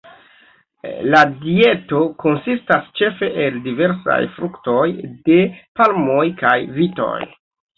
La dieto konsistas ĉefe el diversaj fruktoj, de palmoj kaj vitoj.